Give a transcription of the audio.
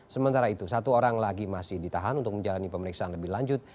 sementara itu satu orang lagi masih ditahan untuk menjalani pemeriksaan lebih lanjut